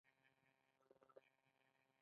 د هرات پل مالان ارغوان پل دی